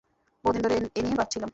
বহুদিন ধরে এ নিয়ে ভাবছিলাম।